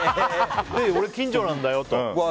で、俺、近所なんだよと。